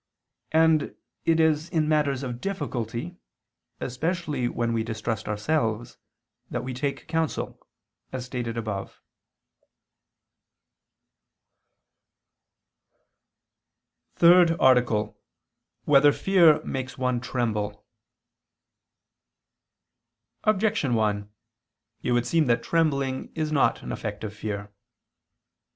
And it is in matters of difficulty, especially when we distrust ourselves, that we take counsel, as stated above. ________________________ THIRD ARTICLE [I II, Q. 44, Art. 3] Whether Fear Makes One Tremble? Objection 1: It would seem that trembling is not an effect of fear.